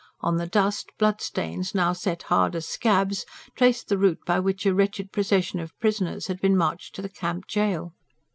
On the dust, bloodstains, now set hard as scabs, traced the route by which a wretched procession of prisoners had been marched to the Camp gaol.